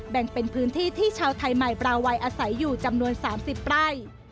แบ่งเป็นพื้นที่ที่ชาวไทยใหม่บราวัยอาศัยอยู่จำนวน๓๐ไร่